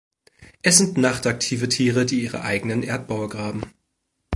Es sind nachtaktive Tiere, die ihre eigenen Erdbaue graben.